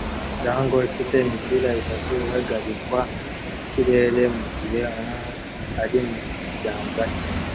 Jugler ifite imipira itatu ihagarikwa mukirere mugihe umwe ari mukiganza cye